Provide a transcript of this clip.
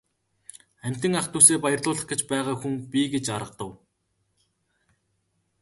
Амьтан ах дүүсээ баярлуулах гэж байгаа хүн би гэж аргадав.